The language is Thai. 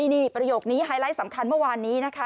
นี่ประโยคนี้ไฮไลท์สำคัญเมื่อวานนี้นะคะ